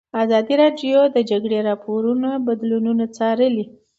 ازادي راډیو د د جګړې راپورونه بدلونونه څارلي.